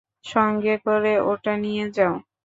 সঙ্গে করে ওটা নিয়ে যাও।